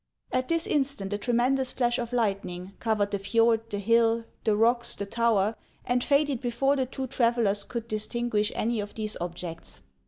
At this instant a tremendous flash of lightning covered the fjord, the hill, the rocks, the tower, and faded before the two travellers could distinguish any of these objects.